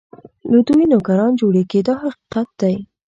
له دوی نوکران جوړېږي دا حقیقت دی.